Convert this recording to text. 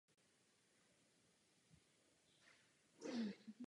Koncepci vědecké revoluce objasňuje sociálními faktory.